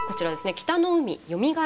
「北の海よみがえる絶景」。